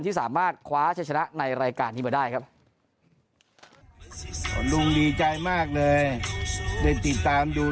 ที่สามารถคว้าจะชนะในรายการที่เหมือนได้ครับหลุมดีใจมากเลยจะติดตามดู